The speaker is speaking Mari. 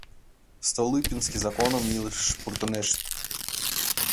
Столыпинский законым илышыш пуртынешт.